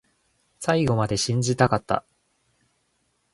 最後まで信じたかった